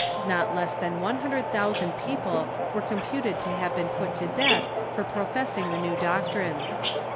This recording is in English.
Not less than one hundred thousand people are computed to have been put to death for professing the new doctrines.